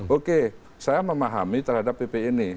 oke saya memahami terhadap pp ini